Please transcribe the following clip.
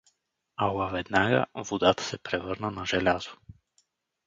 Ала веднага водата се превърна на желязо.